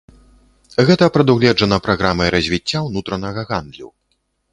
Гэта прадугледжана праграмай развіцця ўнутранага гандлю.